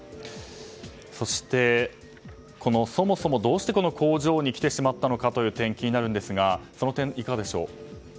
そして、そもそもどうして工場に来てしまったのかという点気になるんですがその点、いかがでしょう？